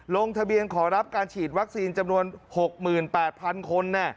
ลงทะเบียนขอรับการฉีดวัคซีนจำนวน๖๘๐๐๐คน